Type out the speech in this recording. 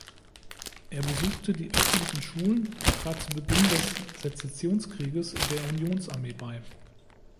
Er besuchte die öffentlichen Schulen und trat zu Beginn des Sezessionskrieges der Unionsarmee bei.